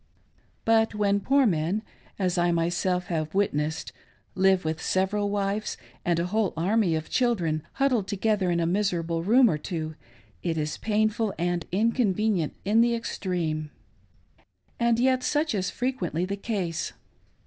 But when poor men, as I myself have witnessed, live with several wives and a whole army of children, hud dled together in a miserable room or two, it is painful and inconvenient in the extreme. And yet such is frequently the case.